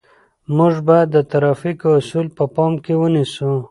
موږ باید د ترافیکو اصول په پام کې ونیسو.